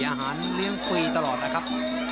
อาหารเลี้ยงฟรีตลอดนะครับ